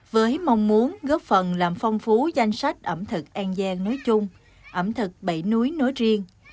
với mong muốn góp phần làm phong phú danh sách ẩm thực an giang nói chung ẩm thực bảy núi nói riêng